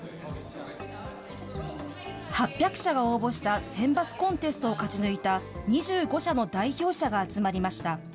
８００社が応募した選抜コンテストを勝ち抜いた２５社の代表者が集まりました。